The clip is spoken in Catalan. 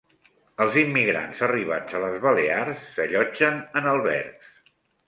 Els immigrants arribats a les Balears s'allotgen en albergs